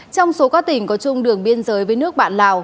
trong số các tỉnh có chung đường biên giới với nước bạn lào